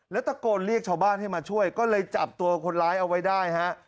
แล้วตะโกนเรียกชาวบ้านให้มาช่วยก็เลยจับตัวคนร้ายเอาไว้ได้ฮะ